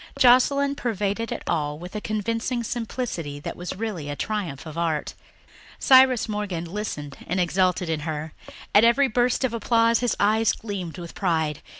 Joscelyn pervaded it all with a convincing simplicity that was really the triumph of art. Cyrus Morgan listened and exulted in her; at every burst of applause his eyes gleamed with pride.